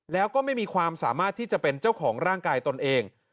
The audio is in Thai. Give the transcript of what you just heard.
แล้วก็ไม่มีความสามารถที่จะเป็นเจ้าของร่างกายตนเอง